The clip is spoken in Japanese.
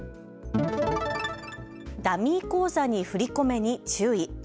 ダミー口座に振り込めに注意。